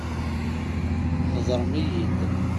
Heḍṛem-iyi-d!